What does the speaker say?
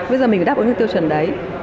bây giờ mình phải đáp ứng những tiêu chuẩn đấy